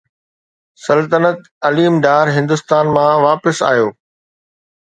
سلطنت عليم ڊار هندستان مان وطن واپس آيو